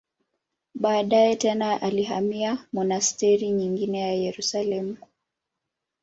Baadaye tena alihamia monasteri nyingine za Yerusalemu.